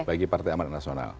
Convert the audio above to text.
bagi partai amat nasional